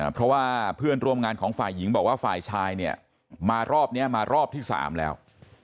เพราะว่าเพื่อนร่วมงานของฝ่ายหญิงบอกว่าฝ่ายชายเนี่ยมารอบนี้มารอบที่๓แล้ว